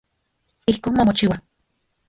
Ijkon mamochiua.